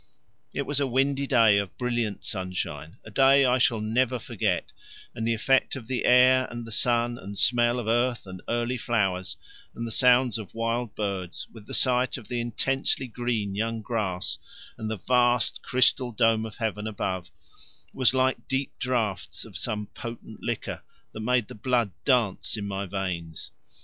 It was a windy day of brilliant sunshine, a day I shall never forget, and the effect of the air and the sun and smell of earth and early flowers, and the sounds of wild birds, with the sight of the intensely green young grass and the vast crystal dome of heaven above, was like deep draughts of some potent liquor that made the blood dance in my veins.